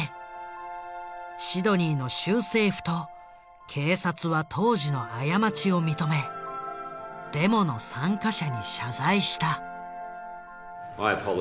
シドニーの州政府と警察は当時の過ちを認めデモの参加者に謝罪した。